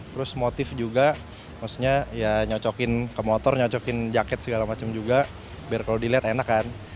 terus motif juga maksudnya ya nyocokin ke motor nyocokin jaket segala macam juga biar kalau dilihat enak kan